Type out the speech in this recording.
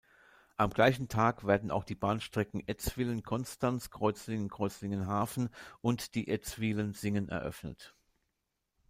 Am gleichen Tag wurden auch die Bahnstrecken Etzwilen-Konstanz, Kreuzlingen-Kreuzlingen-Hafen und die Etzwilen–Singen eröffnet.